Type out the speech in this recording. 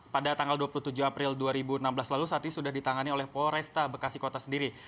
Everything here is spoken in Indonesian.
pada tanggal dua puluh tujuh april dua ribu enam belas lalu saat ini sudah ditangani oleh polresta bekasi kota sendiri